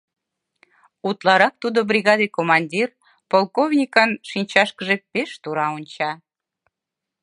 Утларак тудо бригаде командир — полковникын шинчашкыже пеш тура онча: